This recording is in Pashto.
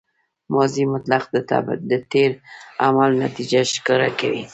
ماضي مطلق د تېر عمل نتیجه ښکاره کوي.